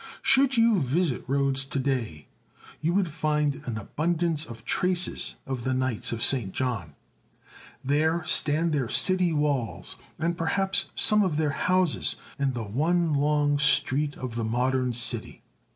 vShould you visit Rhodes today you would find an abundance of traces of the Knights of St. John. There stand their city walls, and perhaps some of their houses in the one long street of the modern city.